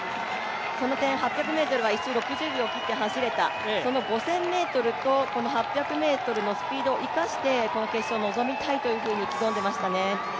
その点、８００ｍは１周６０秒を切って走れた、その５０００ｍとこの８００ｍのスピードを生かしてこの決勝に臨みたいと話していました。